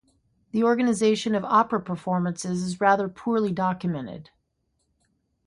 The organisation of opera performances is rather poorly documented.